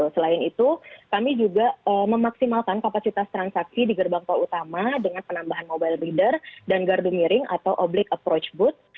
selain itu kami juga memaksimalkan kapasitas transaksi di gerbang tol utama dengan penambahan mobile leader dan gardu miring atau oblic approach booth